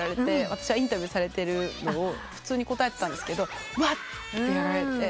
私はインタビューされてるのを普通に答えてたんですけど「わっ」ってやられて。